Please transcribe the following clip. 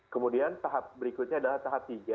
kemudian tahap berikutnya adalah tahap tiga